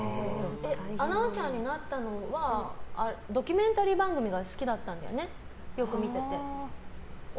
アナウンサーになったのはドキュメンタリー番組が好きだったんだよね、よく見てて。